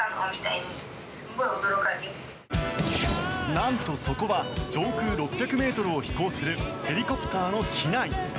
なんと、そこは上空６００ｍを飛行するヘリコプターの機内。